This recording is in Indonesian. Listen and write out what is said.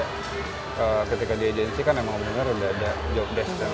karena ketika di agensi kan memang bener bener udah ada job desk